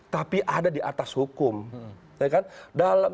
tapi ada di atas hukum